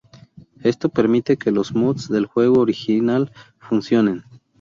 Esto permite que los mods del juego original funcionen.